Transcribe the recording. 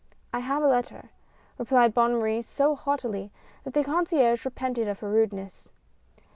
" I have a letter," replied Bonne Marie so haughtily that the concierge repented of her rudeness.